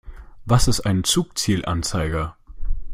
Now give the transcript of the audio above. Was ist ein Zugzielanzeiger?